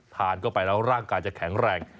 ทานเข้าไปแล้วร่างกายจะแข็งแรง